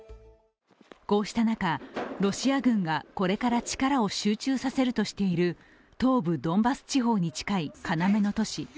こうした中、ロシア軍がこれから力を集中させるとしている東部ドンバス地方に近い要の都市